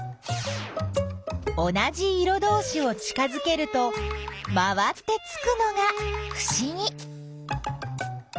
同じ色どうしを近づけると回ってつくのがふしぎ。